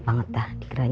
saya mau ke rumah